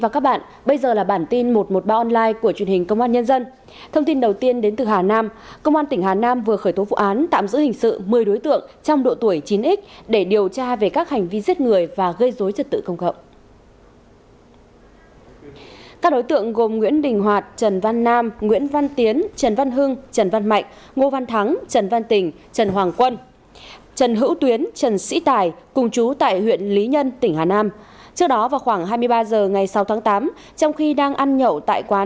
cảm ơn các bạn đã theo dõi